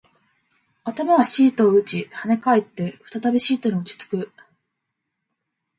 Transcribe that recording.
頭はシートを打ち、跳ね返って、再びシートに落ち着く